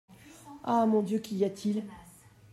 Ah ! mon Dieu ! qu’y a-t-il ?